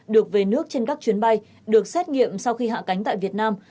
được về nước trên các chuyến bay được xét nghiệm sau khi hạ cánh tại việt nam